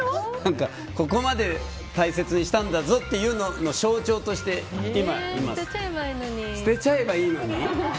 ここまで大切にしたんだぞっていう象徴として捨てちゃえばいいのに。